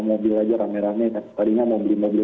mau beli rame rame tadinya mau beli mobil